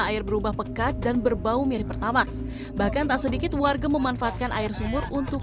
air berubah pekat dan berbau mirip pertama bahkan tak sedikit warga memanfaatkan air sumur untuk